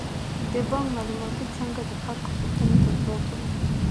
د بانک معلوماتي څانګه د خلکو پوښتنو ته ځواب وايي.